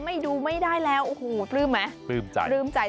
ไม่ดูไม่ได้แล้วโอ้โหคลื่นไหม